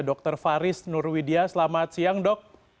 dr faris nurwidia selamat siang dok